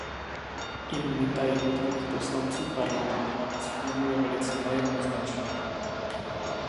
Imunita jednotlivých poslanců Parlamentu navíc funguje velice nejednoznačně.